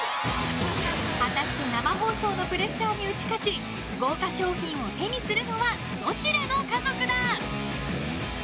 果たして生放送のプレッシャーに打ち勝ち豪華賞品を手にするのはどちらの家族だ？